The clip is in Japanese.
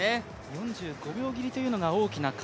４５秒切りというのが大きな壁。